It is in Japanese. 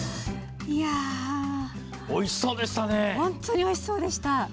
おいしそうでしたね。